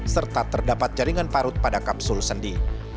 serta terdapat jaringan parut pada kapsul sendi